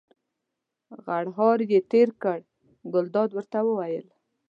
غرهار یې تېر کړ، ګلداد ورته وویل.